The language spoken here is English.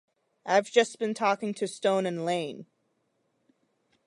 I've just been talking to Stone and Lane.